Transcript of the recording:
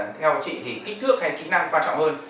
theo chị thì kích thước hay kỹ năng quan trọng hơn